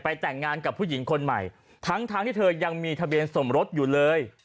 แต่งงานกับผู้หญิงคนใหม่ทั้งทั้งที่เธอยังมีทะเบียนสมรสอยู่เลย